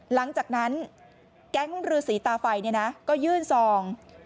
หลังจากนั้นแก๊งรือสีตาไฟก็ยื่นซอง